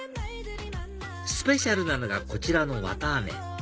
スペシャルなのがこちらの綿あめ